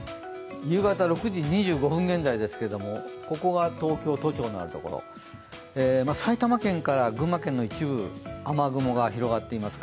夕方６時２５分現在ですけど、ここが東京都庁のあるところ埼玉県から群馬県の一部雨雲が広がっています。